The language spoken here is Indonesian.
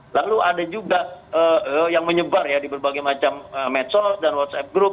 lalu ada juga yang menyebar ya di berbagai macam medsos dan whatsapp group